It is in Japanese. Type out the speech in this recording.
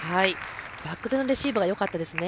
バックダウンレシーブがよかったです。